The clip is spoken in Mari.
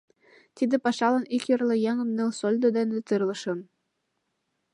Тиде пашалан ик йорло еҥым ныл сольдо дене тарлышым.